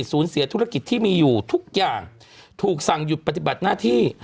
สูญเสียธุรกิจที่มีอยู่ทุกอย่างถูกสั่งหยุดปฏิบัติหน้าที่